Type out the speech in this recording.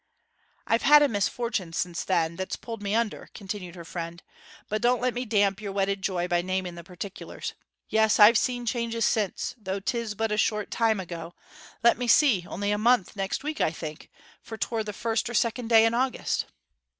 'I've had a misfortune since then, that's pulled me under,' continued her friend. 'But don't let me damp yer wedded joy by naming the particulars. Yes, I've seen changes since; though 'tis but a short time ago let me see, only a month next week, I think; for 'twere the first or second day in August.'